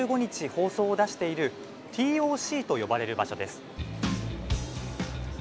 放送を出しているＴＯＣと呼ばれる場所です。